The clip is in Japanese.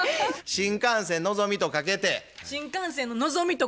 新幹線ののぞみとかけて。